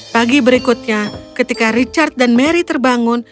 pagi berikutnya ketika richard dan mary terbangun